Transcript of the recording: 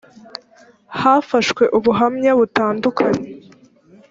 hafashwe ubuhamya butandukanye